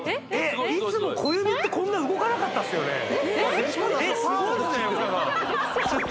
いつも小指ってこんな動かなかったっすよねえっ